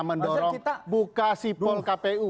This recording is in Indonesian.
mendorong buka si polkpu